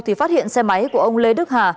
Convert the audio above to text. thì phát hiện xe máy của ông lê đức hà